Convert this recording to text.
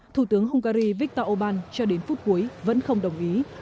thủ tướng hungary viktor orbán cho đến phút cuối vẫn không đồng ý